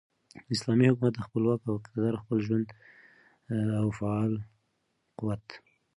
اسلامي حكومت دخپل واك او اقتدار ،خپل ژوندي او فعال قوت ،